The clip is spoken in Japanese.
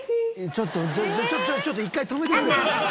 ちょっとちょっと一回止めてくれ。